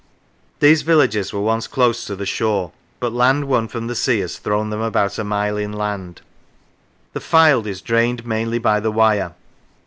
These villages were once close to the shore, but land won from the sea has thrown them about a mile inland. The Fylde is drained mainly by the Wyre.